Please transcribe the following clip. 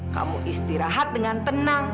kamu istirahat dengan tenang